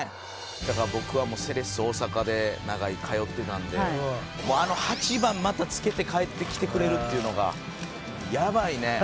僕はもうセレッソ大阪で長居通ってたんで８番またつけて帰ってきてくれるっていうのがやばいね！